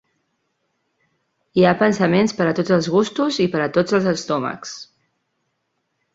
Hi ha pensaments per a tots els gustos i per a tots els estómacs.